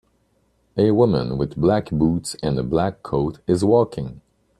A woman with black boots and a black coat is walking.